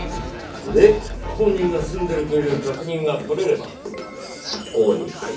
で本人が住んでるという確認が取れれば執行に入る。